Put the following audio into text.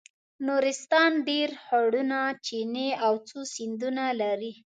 نورستان ډېر خوړونه چینې او څو سیندونه لري.